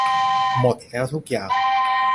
หมดแล้วทุกอย่าง